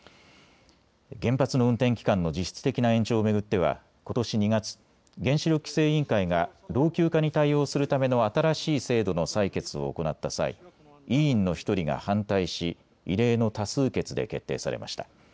原発の運転期間の実質的な延長を巡ってはことし２月、原子力規制委員会が老朽化に対応するための新しい制度の採決を行った際、委員の１人が反対し異例の多数決で決定されました。